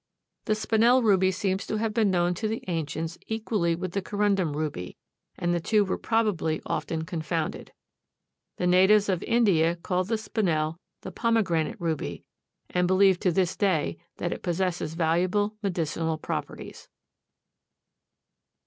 The Spinel ruby seems to have been known to the ancients equally with the corundum ruby, and the two were probably often confounded. The natives of India call the Spinel the pomegranate ruby and believe to this day that it possesses valuable medicinal properties.